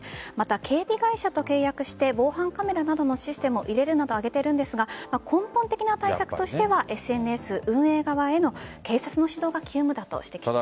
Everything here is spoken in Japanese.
警備会社と契約して防犯カメラなどのシステムを入れるなど挙げているんですが根本的な対策としてはＳＮＳ運営側への警察の指導が急務だと指摘しています。